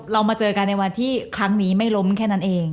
เรามาเจอกันในวันที่ครั้งนี้ไม่ล้มแค่นั้นเอง